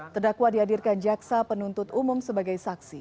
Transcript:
terdakwa dihadirkan jaksa penuntut umum sebagai saksi